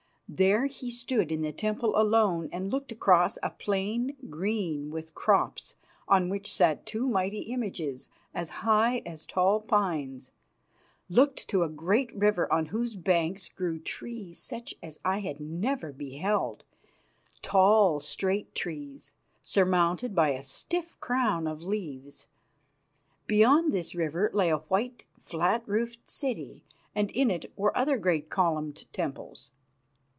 There he stood in the temple alone, and looked across a plain, green with crops, on which sat two mighty images as high as tall pines, looked to a great river on whose banks grew trees such as I had never beheld: tall, straight trees, surmounted by a stiff crown of leaves. Beyond this river lay a white, flat roofed city, and in it were other great columned temples.